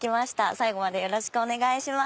最後までよろしくお願いします。